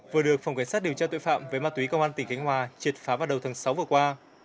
vừa được phòng cảnh sát điều tra tội phạm với ma túy công an tỉnh khánh hòa triệt phá vào đầu tháng sáu vừa qua